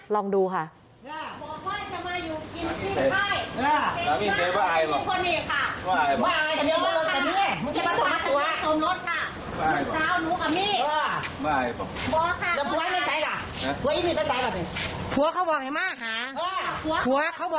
ลองดูค่ะ